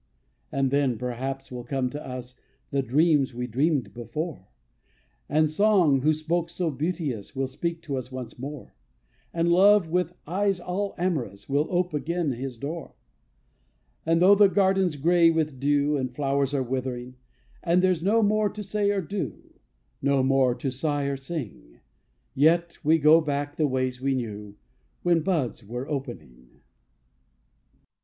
And then, perhaps, will come to us The dreams we dreamed before; And song, who spoke so beauteous, Will speak to us once more; And love, with eyes all amorous, Will ope again his door. So 'though the garden's gray with dew, And flowers are withering, And there's no more to say or do, No more to sigh or sing, Yet go we back the ways we knew When buds were opening.